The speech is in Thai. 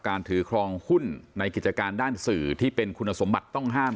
ถือครองหุ้นในกิจการด้านสื่อที่เป็นคุณสมบัติต้องห้าม